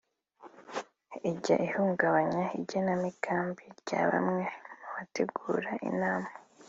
ijya ihungabanya igenamigambi rya bamwe mu bategura inama